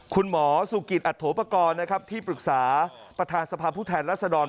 คุณหมอสุกิตอัฐโถปกรณ์นะครับที่ปรึกษาประธานสภาพผู้แทนรัศดร